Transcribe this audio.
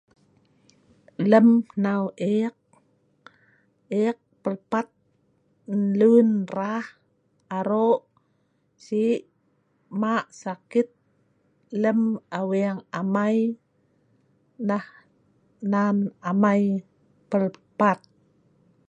Lem hnau eek, eek pelpat nlun rah aro si mak sakit((Maet) lem Aweng amai, nah naan amai pelpat